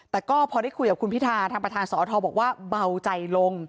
แต่ก็พอได้คุยกับคุณพิธาทางประธานสอทบอกว่าเบาใจลง